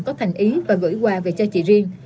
có thành ý và gửi quà về cho chị riêng